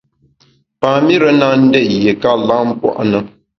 Pam-ire na ndét yiéka lam pua’ na.